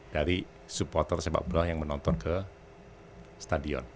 jadi supporter sepak bola yang menonton ke stadion